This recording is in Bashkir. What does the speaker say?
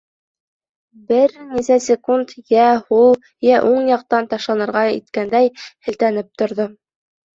Бер нисә секунд йә һул, йә уң яҡтан ташланырға иткәндәй һелтәнеп торҙо.